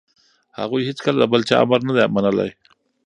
هغوی هیڅکله د بل چا امر نه دی منلی.